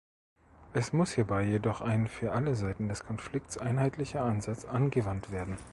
Es muss hierbei jedoch ein für alle Seiten des Konflikts einheitlicher Ansatz angewandt werden.